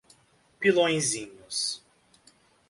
Pilõezinhos